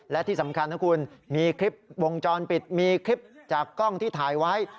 และที่สำคัญนะคุณมีคลิปวงจรปิดมีคลิปจากกล้องที่ถ่ายไว้